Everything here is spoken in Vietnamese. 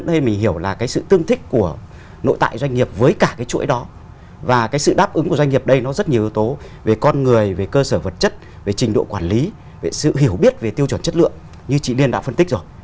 thế mình hiểu là cái sự tương thích của nội tại doanh nghiệp với cả cái chuỗi đó và cái sự đáp ứng của doanh nghiệp đây nó rất nhiều yếu tố về con người về cơ sở vật chất về trình độ quản lý về sự hiểu biết về tiêu chuẩn chất lượng như chị liên đã phân tích rồi